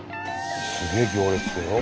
すげえ行列だよ。